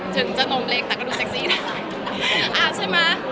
ถึงจะนมเล็กแล้วก็ดูเซ็็คซีได้